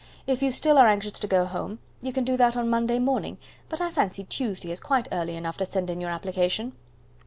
If you still are anxious to go home, you can do that on Monday morning; but I fancy Tuesday is quite early enough to send in your application."